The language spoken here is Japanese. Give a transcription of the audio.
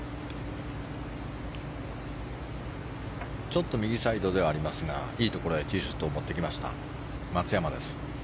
ちょっと右サイドではありますがいいところへティーショットを持ってきました松山です。